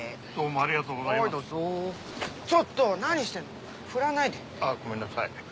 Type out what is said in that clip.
あっごめんなさい。